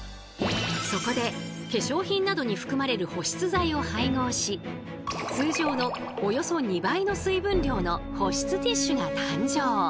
そこで化粧品などに含まれる保湿剤を配合し通常のおよそ２倍の水分量の保湿ティッシュが誕生。